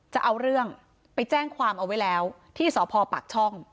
จะเอาเรื่องไปแจ้งความเอาไว้แล้วที่สพปากช่อง